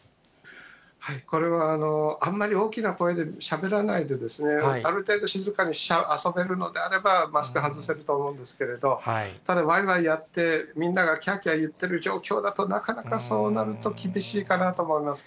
これはあんまり大きな声でしゃべらないで、ある程度、静かに遊べるのであれば、マスク外せると思うんですけれど、ただ、わいわいやって、みんながきゃーきゃー言ってる状況だとなかなかそうなると厳しいかなと思います。